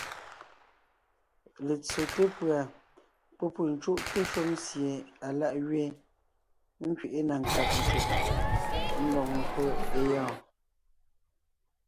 Letsóte pʉ̀a pɔ́ pû cúʼte shúm sie alá’ gẅeen, ńkẅiʼi na nkáb ncùb, ńdɔg ńgÿo é gyɔ́ɔn.